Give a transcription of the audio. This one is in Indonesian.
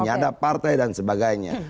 ada partai dan sebagainya